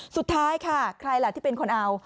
สุดท้ายค่ะใครล่ะที่เป็นคนเอา